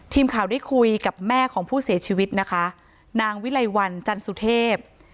ทีมข่าวได้คุยกับแม่ของผู้เสียชีวิตนะคะนางวิไลวันจันสุเทพ